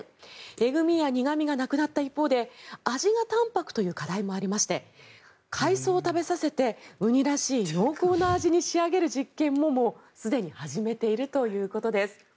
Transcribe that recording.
えぐ味や苦味がなくなった一方で味が淡泊という課題もありまして海藻を食べさせてウニらしい濃厚な味に仕上げる実験もすでに始めているということです。